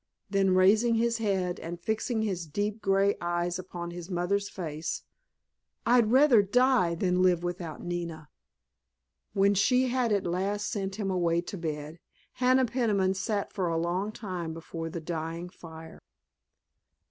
Then raising his head and fixing his deep grey eyes upon his mother's face, "I'd rather die than live without Nina." When she had at last sent him away to bed Hannah Peniman sat for a long time before the dying fire.